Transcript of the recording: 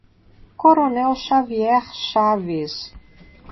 Coronel Xavier Chaves